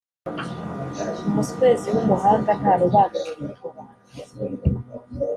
Umuswezi w’umuhanga ntarobanura ibituba.